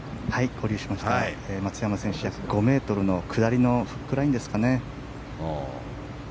松山選手は約５ｍの左のフックラインですかね。